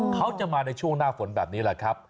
เขาจะมาในช่วงหน้าฝนแบบนี้แหละครับ